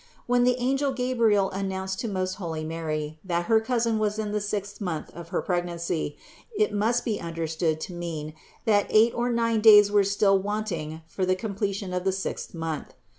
When the angel Gabriel announced to most holy Mary, that her cousin was in the sixth month of her pregnancy, it must be un derstood to mean, that eight or nine days were still wanting for the completion of the sixth month.